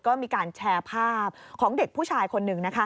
ก็มีการแชร์ภาพของเด็กผู้ชายคนหนึ่ง